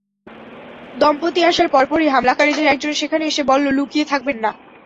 দম্পতি আসার পরপরই হামলাকারীদের একজন সেখানে এসে বলল, লুকিয়ে থাকবেন না।